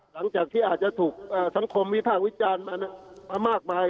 หลังจากที่อาจจะถูกสังคมวิภาควิจารณ์มามากมาย